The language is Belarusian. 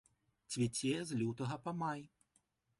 Цвіце з лютага па май.